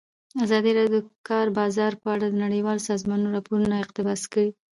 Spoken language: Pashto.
ازادي راډیو د د کار بازار په اړه د نړیوالو سازمانونو راپورونه اقتباس کړي.